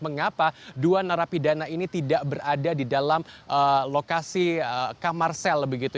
mengapa dua narapidana ini tidak berada di dalam lokasi kamar sel begitu